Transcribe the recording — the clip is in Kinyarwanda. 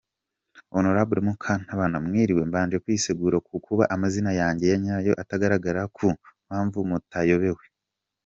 Honorable Mukantabana mwiriwe, Mbanje kwisegura kukuba amazina yanjye ya nyayo atagaragara ku mpamvu mutayobewe.